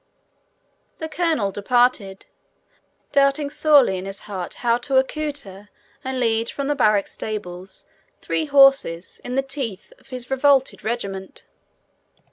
The colonel departed, doubting sorely in his heart how to accoutre and lead from the barrack stables three horses, in the teeth of his revolted regiment.